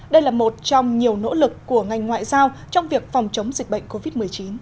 đây là một trong nhiều nỗ lực của ngành ngoại giao trong việc phòng chống dịch bệnh covid một mươi chín